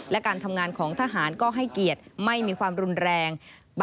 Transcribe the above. และการทำงานของทหารก็ให้เกียรติไม่มีความรุนแรง